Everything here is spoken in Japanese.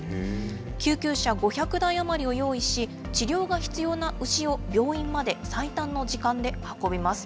救急車５００台余りを用意し、治療が必要な牛を、病院まで最短の時間で運びます。